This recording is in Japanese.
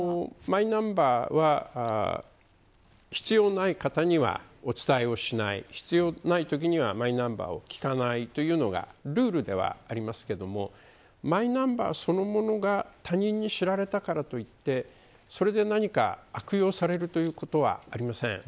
マイナンバーは必要ない方には、お伝えをしない必要ないときにはマイナンバーを聞かないというのがルールではありますけどマイナンバーそのものが他人に知られたからといってそれで何か悪用されるということはありません。